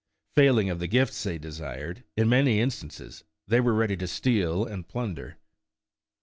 Failing of the gifts they desired, in many instances they were ready to steal and plunder.